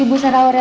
ibu sarah aurelia